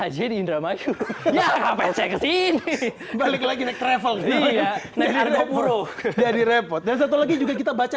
jadi repot dan satu lagi juga kita baca